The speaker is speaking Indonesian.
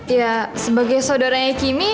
ya sebagai saudaranya kimmy